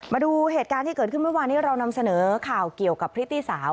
มาดูเหตุการณ์ที่เกิดขึ้นเมื่อวานนี้เรานำเสนอข่าวเกี่ยวกับพริตตี้สาว